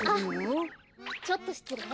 ちょっとしつれい。